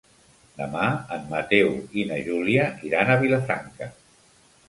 Demà en Mateu i na Júlia iran a Vilafranca.